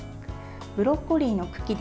ブロッコリーの茎で！